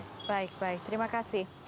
baik baik terima kasih